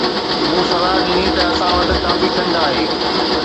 مون صلاح ڏني ته اسان وٽ ڪافي کنڊ آهي